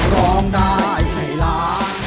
ร้องได้ให้ล้าน